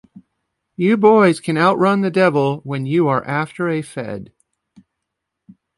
You boys can out-run the devil when you are after a Fed.